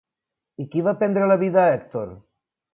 I qui va prendre la vida a Hèctor?